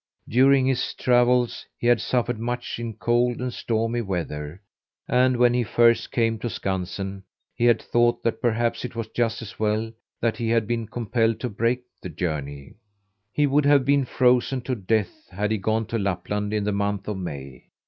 During his travels he had suffered much in cold and stormy weather, and when he first came to Skansen he had thought that perhaps it was just as well that he had been compelled to break the journey. He would have been frozen to death had he gone to Lapland in the month of May.